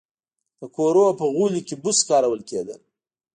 د کورونو په غولي کې بوس کارول کېدل.